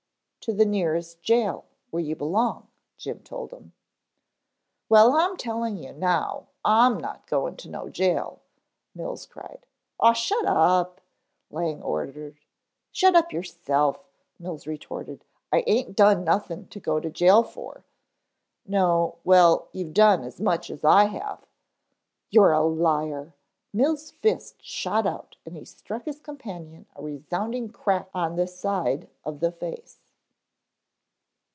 "To the nearest jail, where you belong," Jim told him. "Well, I'm telling you now, I'm not going to no jail," Mills cried. "Aw shut up," Lang ordered. "Shut up yourself," Mills retorted. "I aint done nothing to go to jail for " "No, well you've done as much as I have " "You're a liar." Mills fist shot out and he struck his companion a resounding crack on the side of the face.